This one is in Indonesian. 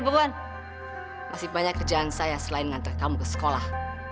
beban masih banyak kerjaan saya selain mengantar kamu ke sekolah